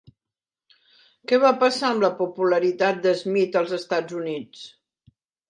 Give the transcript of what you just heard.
Què va passar amb la popularitat de Smith als Estats Units?